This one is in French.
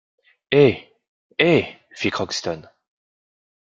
Eh! eh ! fit Crockston.